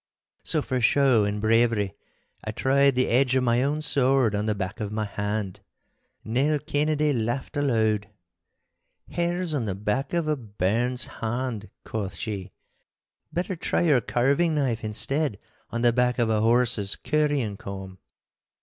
So for show and bravery I tried the edge of my own sword on the back of my hand. Nell Kennedy laughed aloud. 'Hairs on the back of a bairn's hand!' quoth she. 'Better try your carving knife instead on the back of a horse's currying comb!